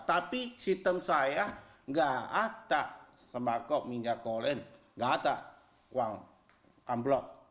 tapi sistem saya tidak ada semangkuk minyak kolen tidak ada uang unblock